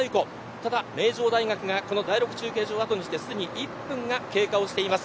ただ名城大学が第６中継所を通過して１分が通過しています。